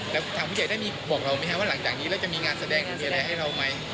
แล้วทางผู้ใหญ่ได้มีบอกเราไหมครับว่าหลังจากนี้แล้วจะมีงานแสดงให้เราไหม